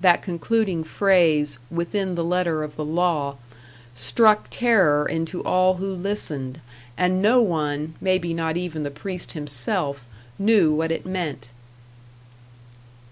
That concluding phrase, "within the letter of the law," struck terror into all who listened, and no one, maybe not even the priest himself, knew what it meant.